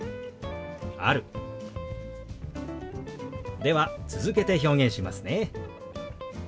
では続けて表現しますね。